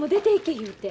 言うて。